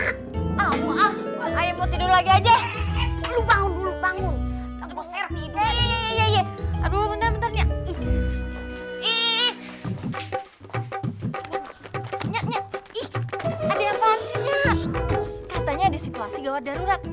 katanya ada situasi gawat darurat